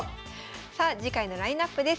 さあ次回のラインナップです。